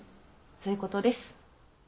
そういうことです。